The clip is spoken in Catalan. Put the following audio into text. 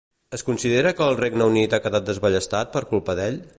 Es considera que el Regne Unit ha quedat desballestat per culpa d'ell?